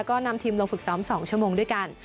ก็นำทีมลงฝึกซ้อม๒ชั่วโมงด้วยกัน